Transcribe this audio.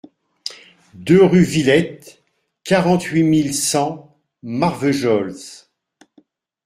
deux rue Villette, quarante-huit mille cent Marvejols